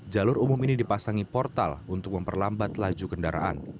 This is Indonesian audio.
jalur umum ini dipasangi portal untuk memperlambat laju kendaraan